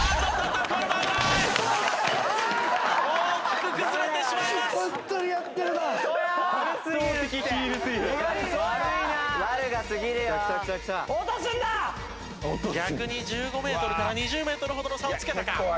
逆に１５メートルから２０メートルほどの差をつけたか？